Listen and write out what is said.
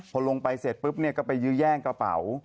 พอลงไปเสร็จปุ๊บเนี่ยก็ไปยื้อแย่งกระเป๋า